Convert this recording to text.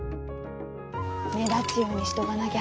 目立つようにしとかなぎゃ。